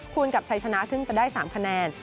คุณกับชัยชนะซึ่งจะได้๓คะแนน